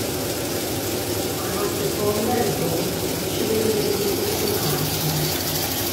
A notte fonda Rigoni decide di rimettersi in marcia.